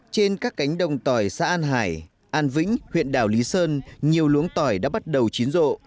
trên các cánh đồng tỏi xã an hải an vĩnh huyện đảo lý sơn nhiều luống tỏi đã bắt đầu chín rộ